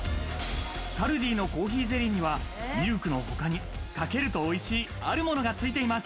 カルディのコーヒーゼリーにはミルクの他にかけると、おいしい、あるものがついています。